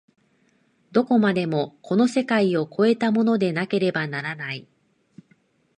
どこまでもこの世界を越えたものでなければならない。